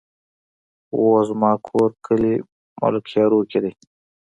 وو زما کور کلي ملكيارو کې دی